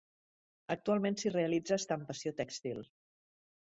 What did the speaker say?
Actualment s'hi realitza estampació tèxtil.